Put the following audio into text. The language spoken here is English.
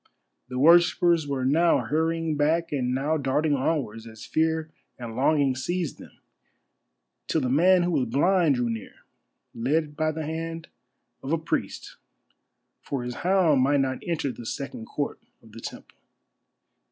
The worshippers were now hurrying back and now darting onwards, as fear and longing seized them, till the man who was blind drew near, led by the hand of a priest, for his hound might not enter the second court of the temple.